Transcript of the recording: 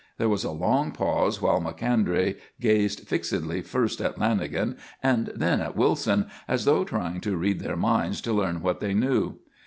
There was a long pause while Macondray gazed fixedly first at Lanagan and then at Wilson, as though trying to read their minds to learn what they knew.